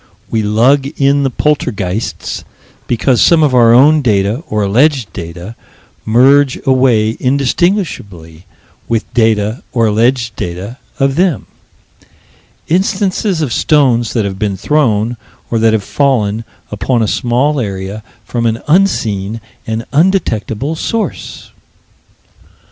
We lug in the poltergeists, because some of our own data, or alleged data, merge away indistinguishably with data, or alleged data, of them: Instances of stones that have been thrown, or that have fallen, upon a small area, from an unseen and undetectable source.